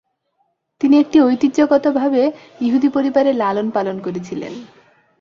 তিনি একটি ঐতিহ্যগতভাবে ইহুদি পরিবারে লালন-পালন করেছিলেন।